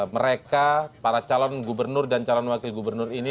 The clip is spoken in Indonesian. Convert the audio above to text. mereka para calon gubernur dan calon wakil gubernur ini